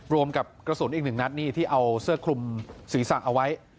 รวมกับกระสุนอีกหนึ่งนัดนี่ที่เอาเสื้อคลุมศีรษะเอาไว้